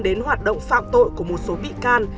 đến hoạt động phạm tội của một số bị can